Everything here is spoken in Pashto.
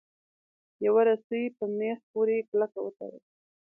یوه رسۍ په میخ پورې کلکه وتړئ.